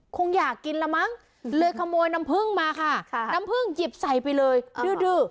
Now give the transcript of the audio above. คงอยากกินละมั้งเลยขโมยน้ำพึ่งมาค่ะน้ำผึ้งหยิบใส่ไปเลยดื้อดื้อ